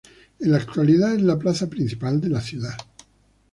En la actualidad es la plaza principal de la ciudad.